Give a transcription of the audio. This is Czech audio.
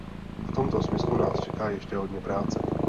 V tomto smyslu nás čeká ještě hodně práce.